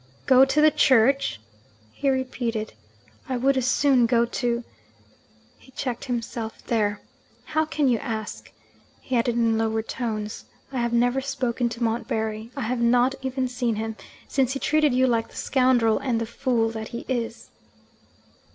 'Go to the church?' he repeated. 'I would as soon go to ' He checked himself there. 'How can you ask?' he added in lower tones. 'I have never spoken to Montbarry, I have not even seen him, since he treated you like the scoundrel and the fool that he is.'